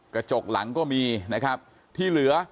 กระจกหลังก็มีนะครับที่เหลือ